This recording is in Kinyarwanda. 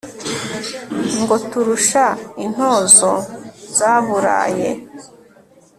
Ngo turusha intozo zaburaye